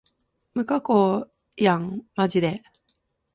無加工やんまじで